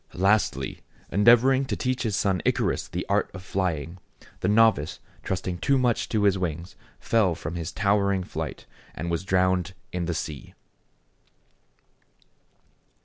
Lastly, endeavoring to teach his son Icarus the art of flying, the novice, trusting too much to his wings, fell from his towering flight, and was drowned in the sea.